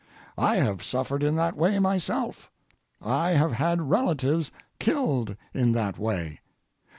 I have suffered in that way myself. I have had relatives killed in that way.